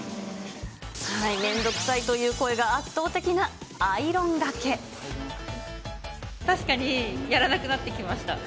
面倒くさいという声が圧倒的確かにやらなくなってきました。